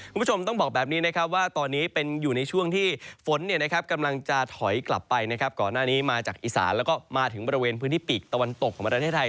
คุณผู้ชมต้องบอกแบบนี้นะครับว่าตอนนี้เป็นอยู่ในช่วงที่ฝนกำลังจะถอยกลับไปนะครับก่อนหน้านี้มาจากอีสานแล้วก็มาถึงบริเวณพื้นที่ปีกตะวันตกของประเทศไทย